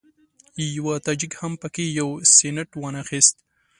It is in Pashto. یوه تاجک هم په کې یو سینټ وانخیست.